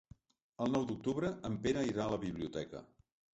El nou d'octubre en Pere irà a la biblioteca.